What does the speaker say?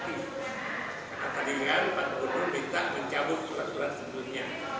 karena tadi kan pak gunur dki mencabut surat surat sebelumnya